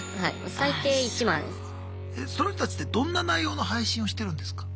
その人たちってどんな内容の配信をしてるんですか？